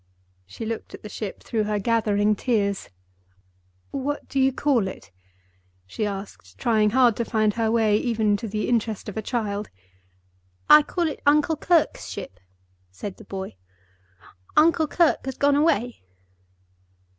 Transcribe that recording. She looked at the ship through her gathering tears. "What do you call it?" she asked, trying hard to find her way even to the interest of a child. "I call it Uncle Kirke's ship," said the boy. "Uncle Kirke has gone away."